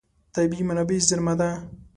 طبیعي منابع زېرمه ده.